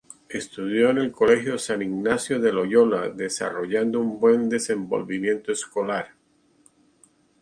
Estudió en el Colegio San Ignacio de Loyola, desarrollando un buen desenvolvimiento escolar.